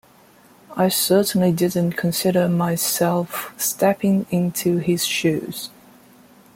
I certainly didn't consider my self stepping into his shoes.